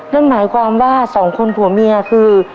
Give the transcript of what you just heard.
นั่นหมายความว่าสองคนผัวเมียคือ